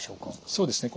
そうですね。